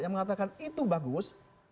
yang mengatakan itu bagus